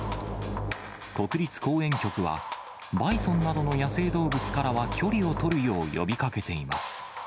国立公園局は、バイソンなどの野生動物からは距離を取るよう呼びかけています。